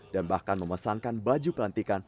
dan bahkan memesankan baju pelantikan